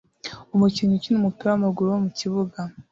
Umukinnyi ukina umupira wamaguru wo mukibuga